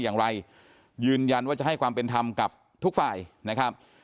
อย่างไรยืนยันว่าจะให้ความเป็นธรรมกับทุกฝ่ายนะครับ